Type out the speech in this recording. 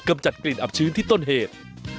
จัดกลิ่นอับชื้นที่ต้นเหตุ